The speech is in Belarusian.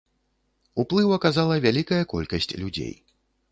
Уплыў аказала вялікая колькасць людзей.